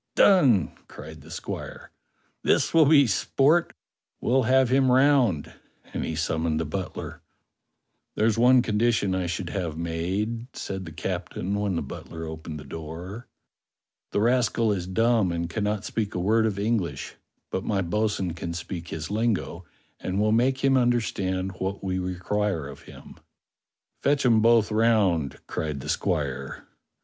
"Done!" cried the squire. "This will be sport; we'll have him round," and he summoned the butler. "There's one condition I should have made," said the captain when the butler opened the door. "The rascal is dumb and cannot speak a word of English; but my bo'sun can speak his lingo and will make him under stand what we require of him." "Fetch 'em both round," cried the squire.